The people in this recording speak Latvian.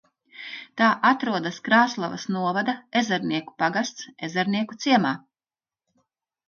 Tā atrodas Krāslavas novada Ezernieku pagasts Ezernieku ciemā.